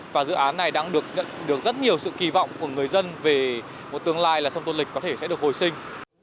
và dự án này đang được rất nhiều sự kỳ vọng của người dân về một tương lai là sông tô lịch có thể sẽ được hồi sinh